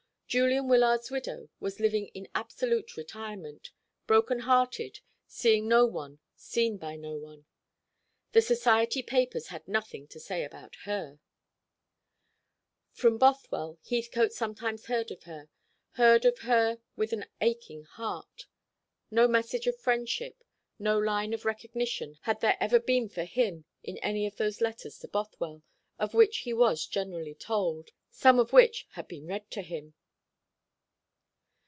Julian Wyllard's widow was living in absolute retirement, broken hearted, seeing no one, seen by no one. The society papers had nothing to say about her. From Bothwell, Heathcote sometimes heard of her, heard of her with an aching heart. No message of friendship, no line of recognition had there ever been for him in any of those letters to Bothwell, of which he was generally told, some of which had been read to him.